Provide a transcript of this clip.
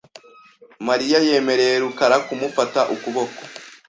Mariya yemereye rukara kumufata ukuboko .